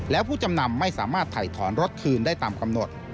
แล้วผู้จำนำไม่สามารถถ่ายถอนรถคืนได้ตามกำหนด